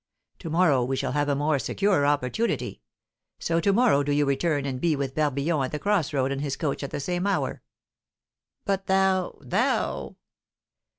To morrow we shall have a more secure opportunity. So to morrow do you return and be with Barbillon at the cross road in his coach at the same hour." "But thou thou?"